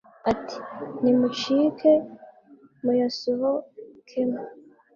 ati ni mucike muyasohokemo